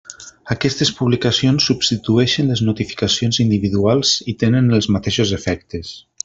Aquestes publicacions substitueixen les notificacions individuals i tenen els mateixos efectes.